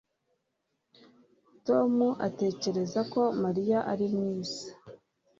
Tom atekereza ko Mariya ari mwiza